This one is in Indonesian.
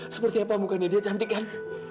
seperti apa bukannya dia cantik kan